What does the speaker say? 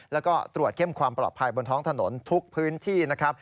แล้วก็ตรวจเข้มความปลอดภัยบนท้องถนนทุกพื้นที่นะครับ